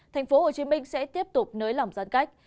thành phố hồ chí minh sẽ tiếp tục nới lỏng giãn cách